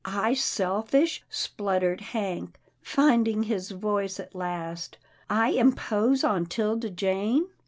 " I selfish," spluttered Hank, finding his voice at last, " I impose on 'Tilda Jane!